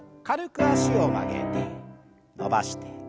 軽く脚を曲げて伸ばして。